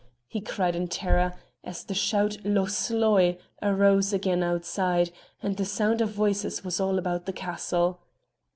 he cried in terror, as the shout "Loch Sloy!" arose again outside, and the sound of voices was all about the castle.